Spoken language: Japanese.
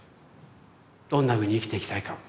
どんなふうに生きていきたいか。